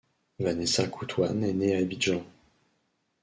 Vanessa Koutouan est née à Abidjan.